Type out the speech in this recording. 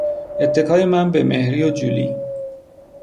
اتکای من به مهری و جولی